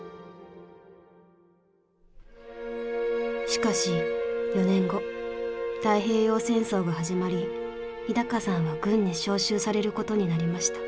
しかし４年後太平洋戦争が始まり日高さんは軍に召集されることになりました。